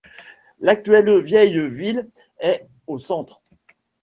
L'actuelle vieille ville est au centre.